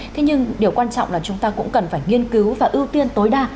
thế nhưng điều quan trọng là chúng ta cũng cần phải nghiên cứu và ưu tiên tối đa